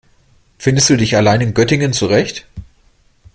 Findest du dich allein in Göttingen zurecht?